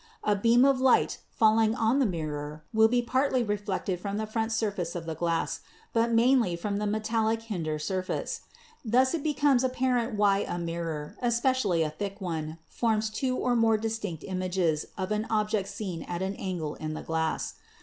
A beam of light falling on the mirror will be partly reflected from the front surface of the glass, but mainly from the metal lic hinder surface. Thus it becomes apparent why a mirror, especially a thick one, forms two or more distinct images of an object seen at an angle in the glass.